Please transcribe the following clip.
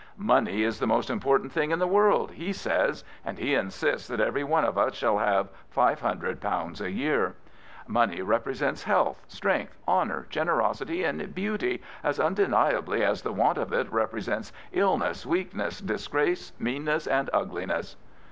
" Money is the most important thing in the world," he says, and he insists that every one of us shall have £500 a year. " Money represents health, strength, honour, generosity, and beauty, as un deniably as the want of it represents illness, weakness, disgrace, meanness, and ugliness."